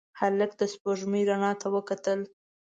هلک د سپوږمۍ رڼا ته وکتل.